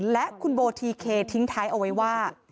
และคุณโบทีเคทิ้งท้ายเอาไว้ว่า